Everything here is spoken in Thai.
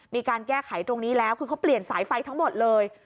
มีการแก้ไขตรงนี้แล้วคือเขาเปลี่ยนสายไฟทั้งหมดเลย